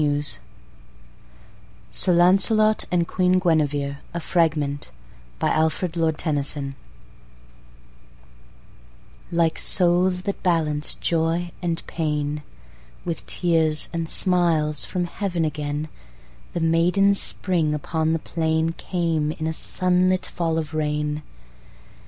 com SIR LAUNCELOT AND QUEEN GUINEVERE A FRAGMENT by ALFRED, LORD TENNYSON Like souls that balance joy and pain, With tears and smiles from heaven again The maiden Spring upon the plain Came in a sunlit fall of rain.